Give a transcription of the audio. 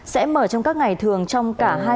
sẽ mở trong các ngày thường trong cả